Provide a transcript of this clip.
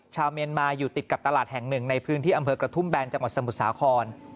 ชาวเมียนมาอยู่ติดกับตลาดแห่งหนึ่งในพื้นที่อำเภอกระทุ่มแบนจังหวัดสมุทรสาคร